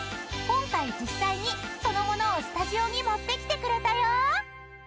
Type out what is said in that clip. ［今回実際にその物をスタジオに持ってきてくれたよ］